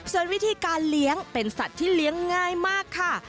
ส่วนวิธีการเลี้ยงเป็นสัตว์ที่เลี้ยงง่ายมากค่ะ